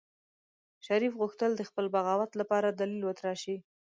شريف غوښتل د خپل بغاوت لپاره دليل وتراشي.